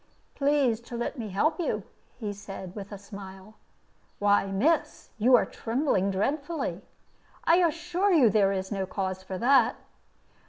"Please to let me help you," he said, with a smile. "Why, miss, you are trembling dreadfully. I assure you there is no cause for that."